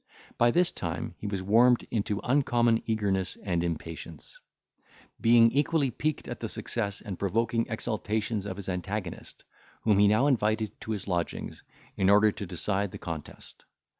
By this time he was warmed into uncommon eagerness and impatience; being equally piqued at the success and provoking exultations of his antagonist, whom he now invited to his lodgings, in order to decide the contest.